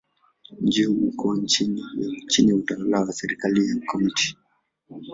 Mji huu uko chini ya utawala wa serikali ya Kaunti.